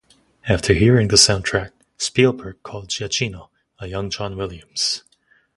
After hearing the soundtrack, Spielberg called Giacchino a young John Williams.